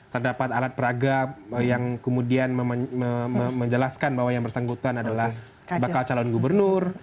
terdapat alat peraga yang kemudian menjelaskan bahwa yang bersangkutan adalah bakal calon gubernur